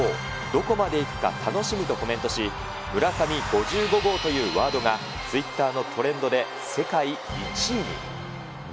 どこまでいくか楽しみとコメントし、村上５５号というワードが、ツイッターのトレンドで世界１位に。